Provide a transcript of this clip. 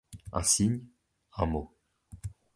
Un signe… un mot.